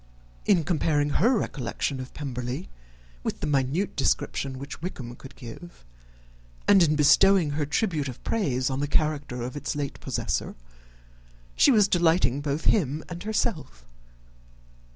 In comparing her recollection of Pemberley with the minute description which Wickham could give, and in bestowing her tribute of praise on the character of its late possessor, she was delighting both him and herself.